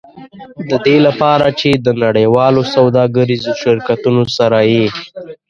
د دې لپاره چې د نړیوالو سوداګریزو شرکتونو سره یې.